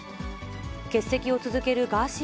欠席を続けるガーシー